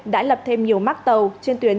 đã lập thêm nhiều mắc tàu trên tuyến